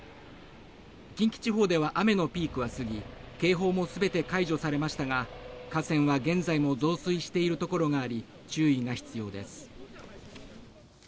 近畿地方では雨のピークは過ぎ警報も全て解除されましたが河川は現在も増水しているところがあり注意が必要です。